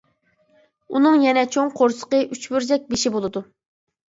ئۇنىڭ يەنە چوڭ قورسىقى، ئۈچ بۇرجەك بېشى بولىدۇ.